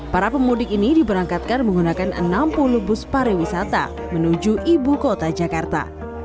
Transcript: para pemudik ini diberangkatkan menggunakan enam puluh bus pariwisata menuju ibu kota jakarta